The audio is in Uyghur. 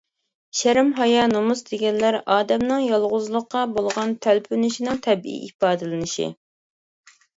شەرم-ھايا، نومۇس دېگەنلەر ئادەمنىڭ يالغۇزلۇققا بولغان تەلپۈنۈشىنىڭ تەبىئىي ئىپادىلىنىشى.